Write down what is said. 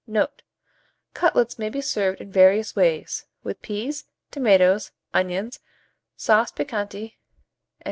Note. Cutlets may be served in various ways; with peas, tomatoes, onions, sauce piquante, &c.